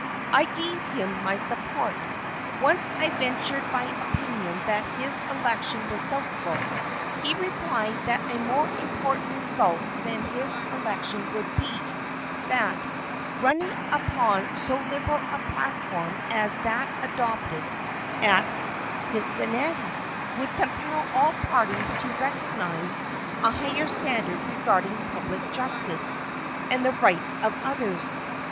I gave him my support. Once I ventured my opinion that his election was doubtful. He replied that a more important result than his election would be, that, running upon so liberal a platform as that adopted at Cincinnati, would compel all parties to recognize a higher standard regarding public justice and the rights of others.